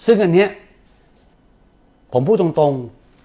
ซึ่งอันนี้ผมพูดตรง